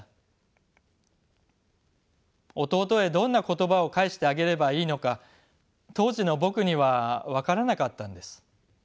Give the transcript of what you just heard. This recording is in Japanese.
弟へどんな言葉を返してあげればいいのか当時の僕には分からなかったんです。